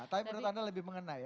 tapi menurut anda lebih mengenai ya